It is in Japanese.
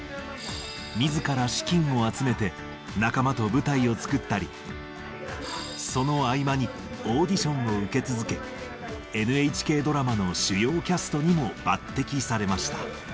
みずから資金を集めて、仲間と舞台を作ったり、その合間にオーディションを受け続け、ＮＨＫドラマの主要キャストにも抜てきされました。